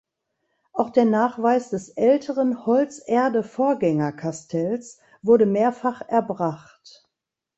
Auch der Nachweis des älteren Holz-Erde-Vorgängerkastells wurde mehrfach erbracht.